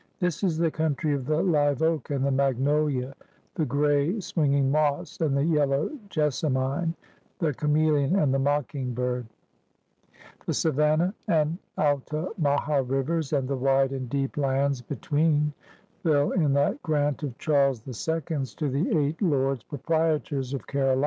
"' This is the country of the live oak and the magnoUa, the gray, swinging moss and the yellow jessamine, the chameleon and the mocking bird. The Savannah and Altamaha rivers and the wide and deep lands between fell in that grant of Charles H's to the eight Lords Propri^orptof Caro > Tl^nsor's NarraJtm and CriHeal Hwtory of America, vol.